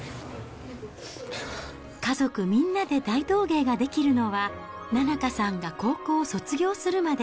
家族みんなで大道芸ができるのは、菜々花さんが高校卒業するまで。